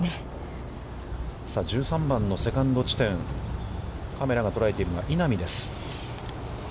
１３番のセカンド地点、カメラが捉えているのが稲見です。